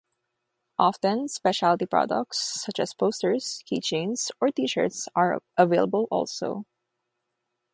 Often specialty products, such as posters, keychains or t-shirts, are available also.